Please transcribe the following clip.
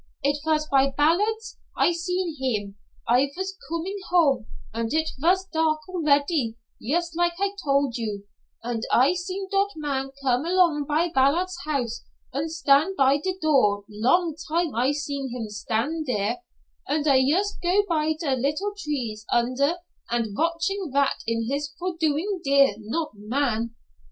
"It vas by Ballards' I seen heem. I vas comin' home und it vas dark already yust like I tol' you, und I seen dot man come along by Ballards' house und stand by der door long time I seen heem stan' dere, und I yust go by der little trees under, und vatching vat it is for doin' dere, dot man?